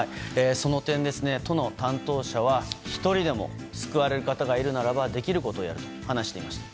その点、都の担当者は１人でも救われる方がいるならばできることをやると話していました。